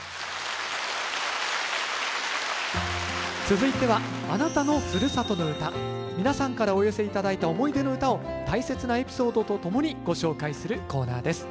続いては皆さんからお寄せ頂いた思い出の唄を大切なエピソードとともにご紹介するコーナーです。